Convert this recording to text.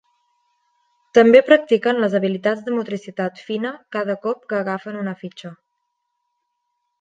També practiquen les habilitats de motricitat fina cada cop que agafen una fitxa.